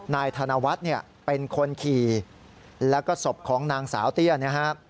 นายธนวัฒน์เนี่ยเป็นคนขี่แล้วก็ศพของนางสาวเตี้ยนะฮะ